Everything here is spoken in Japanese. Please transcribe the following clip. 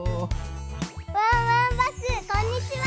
ワンワンバスこんにちは！